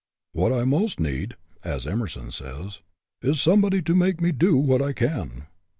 " What I most need," as Emerson says, " is somebody to make me do what I can."